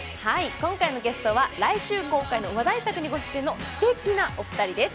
今回のゲストは来週公開の話題作にご出演のすてきなお二人です。